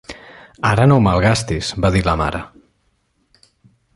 "Ara no ho malgastis", va dir la mare.